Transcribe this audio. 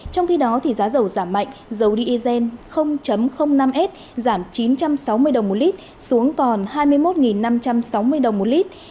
trong khi đó giá dầu giảm mạnh dầu diesel năm s giảm chín trăm sáu mươi đồng một lít xuống còn hai mươi một năm trăm sáu mươi đồng một lít